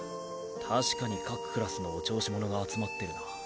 確かに各クラスのお調子者が集まってるな。